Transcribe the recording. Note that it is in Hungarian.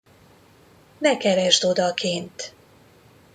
Ne keresd odakint!